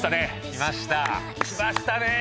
来ましたね！